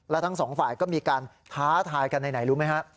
และทั้งสองฝ่ายก็มีการท้าทายกันไหนรู้ไหมฮะ